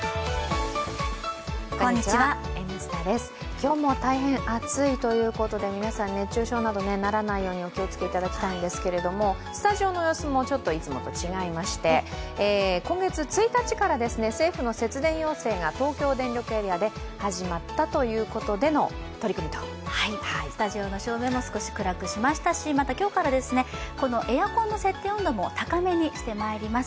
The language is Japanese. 今日も大変暑いということで、皆さん熱中症などならないようにお気をつけいただきたいんですがスタジオの様子もいつもと違いまして今月１日から、政府の節電要請が東京電力エリアで始まったことでのスタジオの照明も少し暗くしましたしまた今日からエアコンの設定温度も高めにしてまいります。